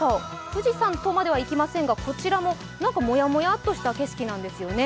富士山とまではいきませんが、こちらももやもやっとした景色なんですよね。